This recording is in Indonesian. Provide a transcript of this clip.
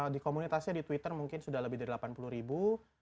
di komunitasnya di twitter mungkin sudah lebih dari delapan puluh ribu